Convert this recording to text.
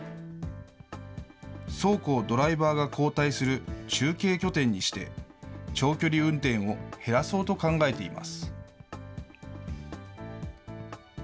倉庫をドライバーが交代する中継拠点にして、長距離運転を減らそうと考えています。